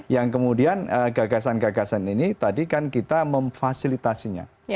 yang kemudian gagasan gagasan ini tadi kan kita memfasilitasinya